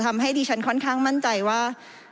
ทำให้ดิฉันค่อนข้างมั่นใจว่า